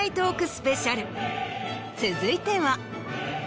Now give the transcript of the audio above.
続いては。